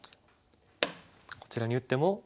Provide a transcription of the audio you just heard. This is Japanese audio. こちらに打っても。